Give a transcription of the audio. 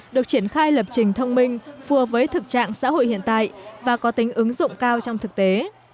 được triển khai lập trình thông minh phùa với thực trạng xã hội hiện tại và có tính ứng dụng cao trong thực tế